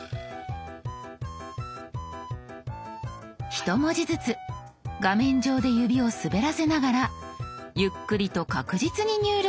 １文字ずつ画面上で指を滑らせながらゆっくりと確実に入力。